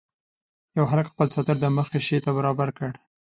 یوه هلک خپل څادر د مخې شيشې ته برابر کړ.